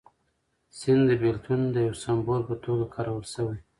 سیند د بېلتون د یو سمبول په توګه کارول شوی.